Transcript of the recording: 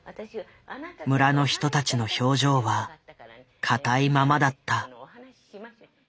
村の人たちの表情は硬いままだった。